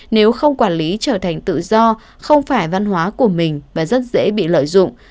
nếu không quản lý trở thành tự do không phải văn hóa của mình và rất dễ bị lợi dụng